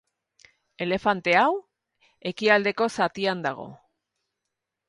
Elefante hau, ekialdeko zatian dago.